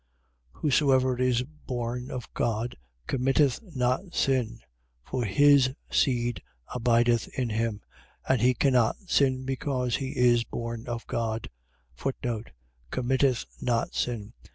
3:9. Whosoever is born of God committeth not sin: for his seed abideth in him. And he cannot sin, because he is born of God. Committeth not sin. ..